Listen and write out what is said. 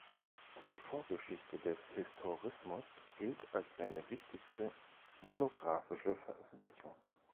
Die Vorgeschichte des Historismus" gilt als seine wichtigste monographische Veröffentlichung.